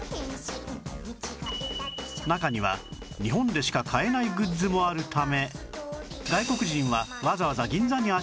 中には日本でしか買えないグッズもあるため